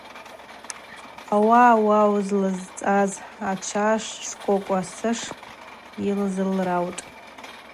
Ауаъа уау злалцӏаз ачӏва Шкӏвокӏвасыш йылзылраутӏ.